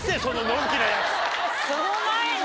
その前に！